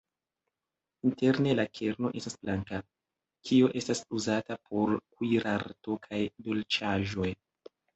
Interne la kerno estas blanka, kio estas uzata por kuirarto kaj dolĉaĵoj.